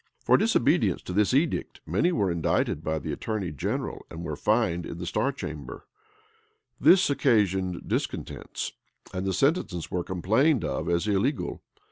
[] For disobedience to this edict, many were indicted by the attorney general, and were fined in the star chamber.[] This occasioned discontents; and the sentences were complained of as illegal.